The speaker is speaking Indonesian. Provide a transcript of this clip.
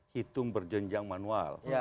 hitung berjenjang manual